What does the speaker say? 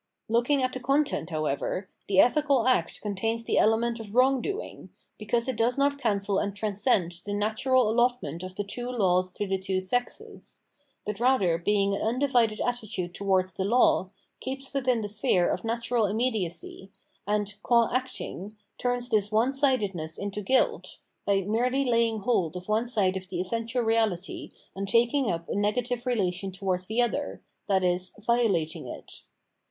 Looking at the content, however, the ethical act con tains the element of wrongdoing, because it does not cancel and transcend the natmral allotment of the two laws to the two sexes ; but rather, being an undivided attitude towards the law, keeps within the sphere of natural immediacy, and, qua acting, turns this one sided ness into guilt, by merely laying hold of one side of the essential reahty and taking up a negative relation towards the other, i.e. violating it.